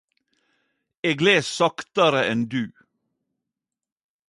Eg les saktare enn du.